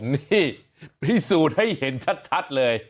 นี่พี่สูตรให้เห็นชัดเลย